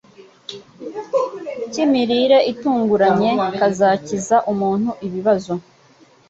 k’imirire itunganye kazakiza umuntu ibibazo